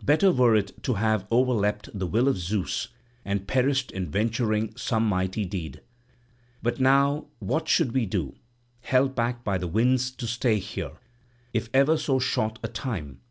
Better were it to have overleapt the will of Zeus and perished in venturing some mighty deed. But now what should we do, held back by the winds to stay here, if ever so short a time?